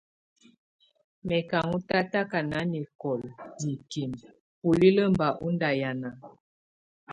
Mɛ̀ kà ɔ́n tataka nanɛkɔla mikimǝ bulilǝ́ bà ɔ́n ndahiana.